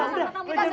ayah mau ngecek ayah